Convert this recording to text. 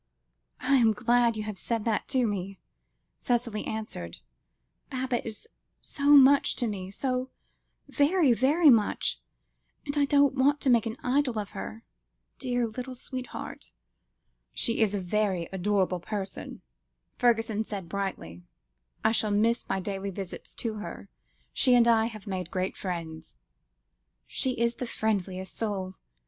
"I am glad you have said that to me," Cicely answered. "Baba is so much to me, so very, very much, but I don't want to make an idol of her, dear little sweetheart." "She is a very adorable person," Fergusson said brightly. "I shall miss my daily visits to her; she and I have made great friends." "She is the friendliest soul.